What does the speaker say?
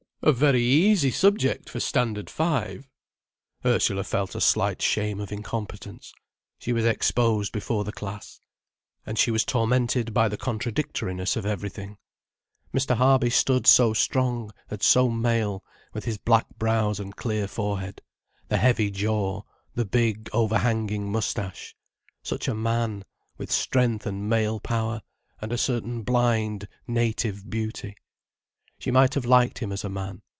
"A very easy subject for Standard Five." Ursula felt a slight shame of incompetence. She was exposed before the class. And she was tormented by the contradictoriness of everything. Mr. Harby stood so strong, and so male, with his black brows and clear forehead, the heavy jaw, the big, overhanging moustache: such a man, with strength and male power, and a certain blind, native beauty. She might have liked him as a man.